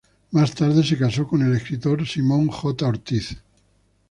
Más tarde se casó con el escritor Simon J. Ortiz.